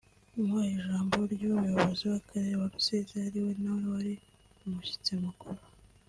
Mu ijambo ry’umuyobozi w’akarere ka Rusizi ari nawe wari umushyitsi mukuru